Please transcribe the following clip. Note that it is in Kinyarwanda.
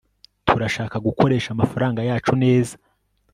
turashaka gukoresha amafaranga yacu neza